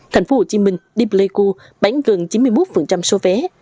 tp hcm đi pleiku bán gần chín mươi một số vé